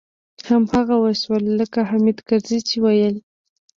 هماغه و شول لکه حامد کرزي چې ويل.